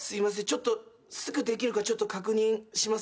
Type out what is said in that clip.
ちょっとすぐできるかちょっと確認します。